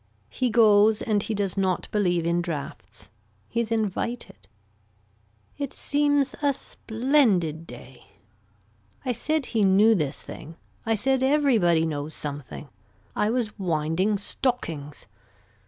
He goes and he does not believe in draughts. He is invited. It seems a splendid day. I said he knew this thing. I said everybody knows something. I was winding stockings.